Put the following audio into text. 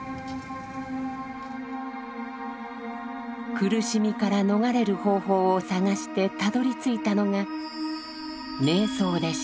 苦しみから逃れる方法を探してたどりついたのが「瞑想」でした。